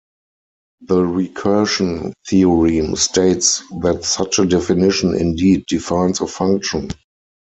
The recursion theorem states that such a definition indeed defines a function.